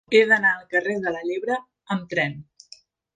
He d'anar al carrer de la Llebre amb tren.